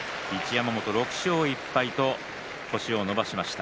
６勝１敗と星を伸ばしました。